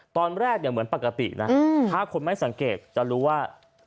ตอนแรกเนี่ยเหมือนปกตินะถ้าคนไม่สังเกตจะรู้ว่า